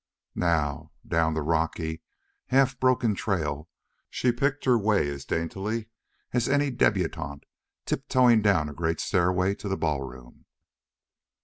Now, down the rocky, half broken trail she picked her way as daintily as any debutante tiptoeing down a great stairway to the ballroom.